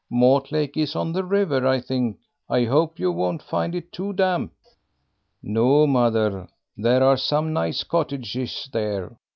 Mortlake is on the river, I think. I hope you won't find it too damp." "No, mother, there are some nice cottages there.